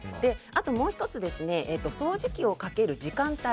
あともう１つ掃除機をかける時間帯